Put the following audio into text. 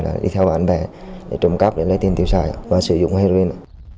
đã đi theo bạn bè để trộm cắp để lấy tiền tiêu xài và sử dụng heroin